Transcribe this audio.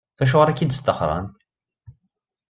Acuɣer i k-id-sṭaxren?